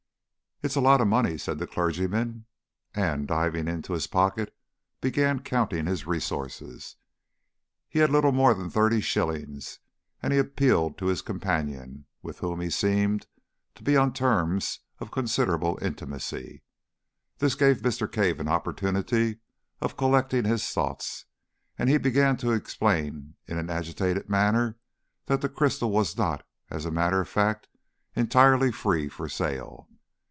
"It's a lot of money," said the clergyman, and, diving into his pocket, began counting his resources. He had little more than thirty shillings, and he appealed to his companion, with whom he seemed to be on terms of considerable intimacy. This gave Mr. Cave an opportunity of collecting his thoughts, and he began to explain in an agitated manner that the crystal was not, as a matter of fact, entirely free for sale.